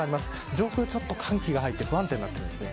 上空、ちょっと寒気が入って不安定になっています。